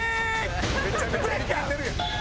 めちゃくちゃ力んでるやん。